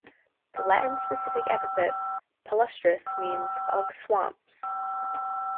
The Latin specific epithet "palustris" means "of swamps".